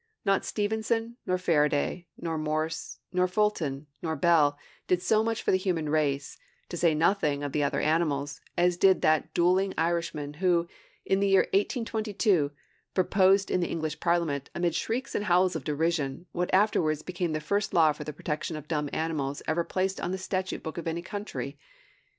Not Stevenson, nor Faraday, nor Morse, nor Fulton, nor Bell, did so much for the human race, to say nothing of the other animals, as did that dueling Irishman who, in the year 1822, proposed in the English Parliament, amid shrieks and howls of derision, what afterward became the first law for the protection of dumb animals ever placed on the statute book of any country.